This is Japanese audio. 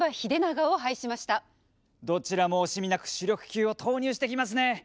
どちらも惜しみなく主力級を投入してきますね！